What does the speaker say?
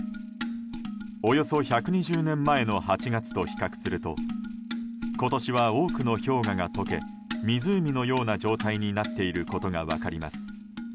およそ１２０年前の８月と比較すると今年は多くの氷河が溶け湖のような状態になっていることが分かります。